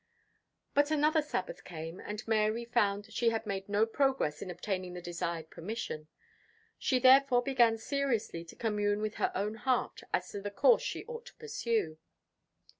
But another Sabbath came, and Mary found she had made no progress in obtaining the desired permission. She therefore began seriously to commune with her own heart as to the course she ought to pursue.